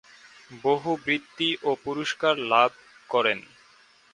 বহু বৃত্তি ও পুরস্কার লাভ করেন।